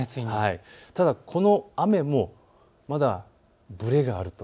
ただこの雨も、まだぶれがあると。